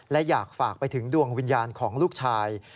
และอยากฝากไปถึงดวงวิญญาณของลูกชาย